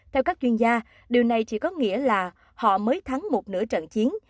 theo các chuyên gia điều này chỉ có nghĩa là họ mới thắng một nửa trận chiến